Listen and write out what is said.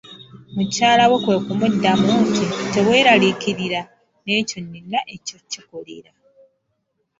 Mukyala we kwe kumuddamu nti, teweeralikiirira n'ekyo nyina eky'okikolera.